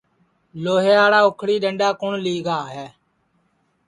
لھوھیاڑا اُکھݪی ڈؔنڈؔا کُوٹؔ لئگا ہے